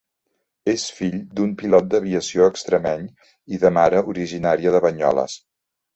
És fill d'un pilot d'aviació extremeny i de mare originària de Banyoles.